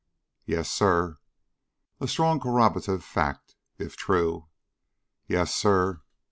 "Yes, sir." "A strong corroborative fact, if true?" "Yes, sir."